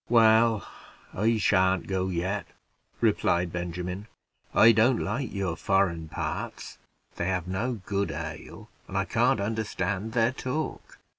"Well, I shan't go yet," replied Benjamin. "I don't like your foreign parts; they have no good ale, and I can't understand their talk.